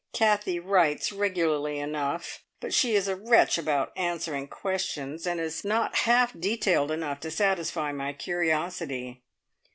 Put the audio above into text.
Kathie writes regularly enough, but she is a wretch about answering questions, and is not half detailed enough to satisfy my curiosity.